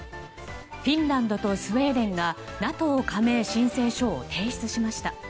フィンランドとスウェーデンがＮＡＴＯ加盟申請書を提出しました。